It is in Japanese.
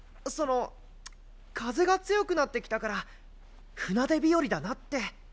その風が強くなってきたから船出日和だなって。